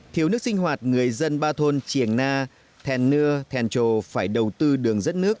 thiếu nước sinh hoạt người dân ba thôn triềng na thèn nưa thèn trồ phải đầu tư đường dẫn nước